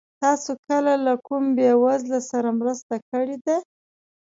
تاسو کله له کوم بېوزله سره مرسته کړې ده؟